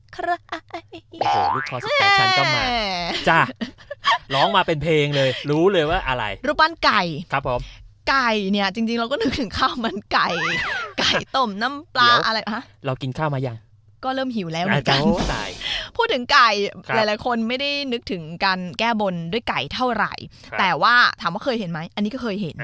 ก็อาจจะเกิดขึ้นได้จากวัดทฤษฎีนี้